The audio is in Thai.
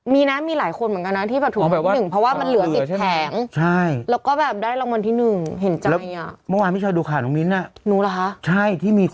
มีกฎหมายอะไรห้ามหรือแบบเอาผิดเขาได้ไหม